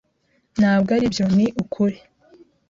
"Ntabwo aribyo Ni ukuri."